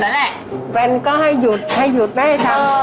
มันก็ให้หยุดให้หยุดไม่ให้ชั้น